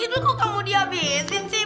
itu kok kamu dihabisin sih